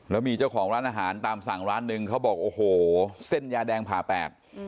แล้วมีเจ้าของร้านอาหารตามสั่งร้านหนึ่งเขาบอกโอ้โหเส้นยาแดงผ่าแปด